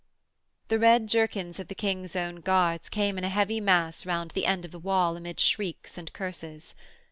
The red jerkins of the King's own guards came in a heavy mass round the end of the wall amid shrieks and curses.